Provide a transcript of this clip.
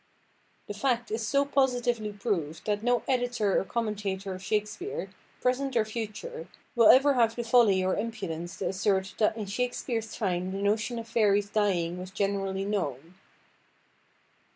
The fact is so positively proved, that no editor or commentator of Shakespeare, present or future, will ever have the folly or impudence to assert "that in Shakespeare's time the notion of fairies dying was generally known."